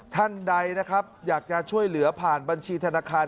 ท่านใดนะครับอยากจะช่วยเหลือผ่านบัญชีธนาคาร